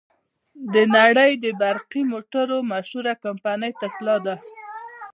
د نړې د برقی موټرو مشهوره کمپنۍ ټسلا ده.